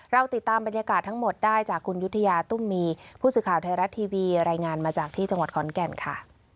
เราติดตามบรรยากาศทั้งหมดได้จากคุณยุธยาตุ้มมีผู้สื่อข่าวไทยรัฐทีวีรายงานมาจากที่จังหวัดขอนแก่นค่ะ